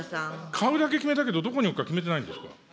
買うだけ決めたけどどこに置くか決めてないんですか。